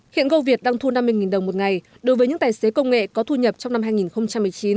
hiện goviet đang thu năm mươi đồng một ngày đối với những tài xế công nghệ có thu nhập trong năm hai nghìn một mươi chín